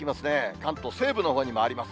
関東西部のほうにもあります。